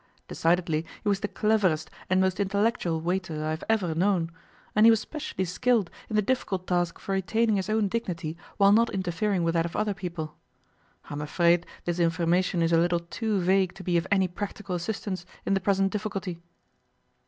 Decidedly he was the cleverest and most intellectual waiter I have ever known, and he was specially skilled in the difficult task of retaining his own dignity while not interfering with that of other people. I'm afraid this information is a little too vague to be of any practical assistance in the present difficulty.